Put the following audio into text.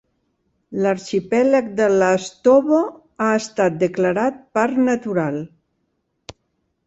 L'arxipèlag de Lastovo ha estat declarat parc natural.